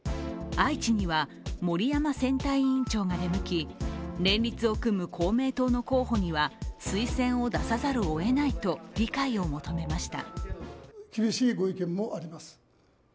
愛知には森山選対委員長が出向き、連立を組む公明党の候補には推薦を出さざるをえないと理解を求めました。